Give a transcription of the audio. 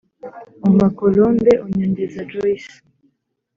umpa " colombe " unyongeza " joyce "